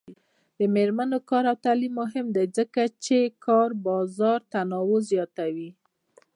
د میرمنو کار او تعلیم مهم دی ځکه چې کار بازار تنوع زیاتوي.